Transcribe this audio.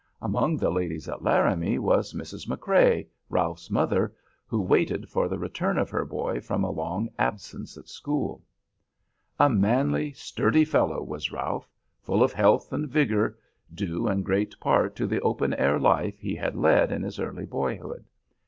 Among the ladies at Laramie was Mrs. McCrea, Ralph's mother, who waited for the return of her boy from a long absence at school. A manly, sturdy fellow was Ralph, full of health and vigor, due in great part to the open air life he had led in his early boyhood.